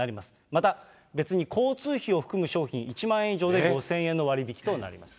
また別に交通費を含む商品１万円以上で５０００円の割引となります。